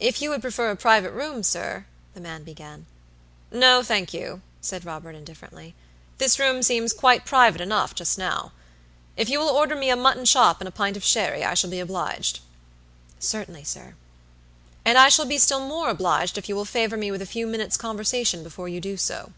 "If you would prefer a private room, sir" the man began. "No, thank you," said Robert, indifferently; "this room seems quite private enough just now. If you will order me a mutton chop and a pint of sherry, I shall be obliged." "Certainly, sir." "And I shall be still more obliged if you will favor me with a few minutes' conversation before you do so."